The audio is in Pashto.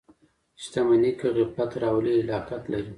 • شتمني که غفلت راولي، هلاکت لري.